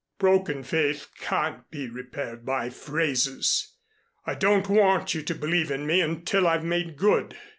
Broken faith can't be repaired by phrases. I don't want you to believe in me until I've made good.